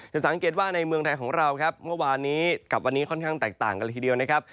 สังเกตว่าในเมืองไทยของเราครับเมื่อวานนี้กับวันนี้ค่อนข้างแตกต่างกันเลยทีเดียวนะครับ